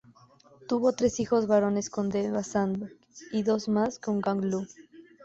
Tuvo tres hijos varones con Eva Sandberg y dos más con Gan Lu.